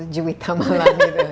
juwita malam itu